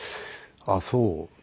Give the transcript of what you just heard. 「ああそう。